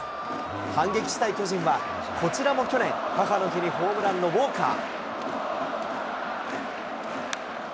反撃したい巨人は、こちらも去年、母の日にホームランのウォーカー。